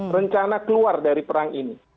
rencana keluar dari perang ini